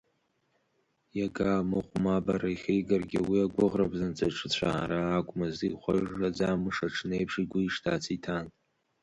Иага мыҟәмабара ихигаргьы, уи агәыӷра бзанҵы ҿыцәаара ақәмызт, ихәажжаӡа мшаҽнеиԥш игәы ишҭац иҭан.